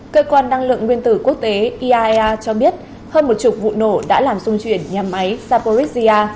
cơ quan năng lượng nguyên tử quốc tế iaea cho biết hơn một chục vụ nổ đã làm dung chuyển nhà máy saporisia